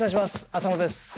浅野です。